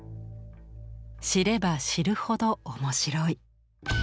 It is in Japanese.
知れば知るほど面白い。